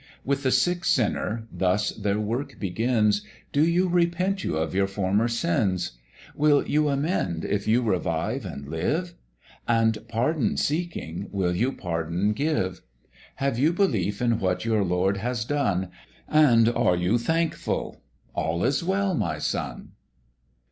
With the sick Sinner, thus their work begins: 'Do you repent you of your former sins? Will you amend if you revive and live? And, pardon seeking, will you pardon give? Have you belief in what your Lord has done, And are you thankful? all is well my son.'